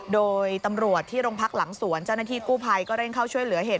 โดยตำรวจที่โรงพักหลังสวนเจ้าหน้าที่กู้ภัยก็เร่งเข้าช่วยเหลือเหตุ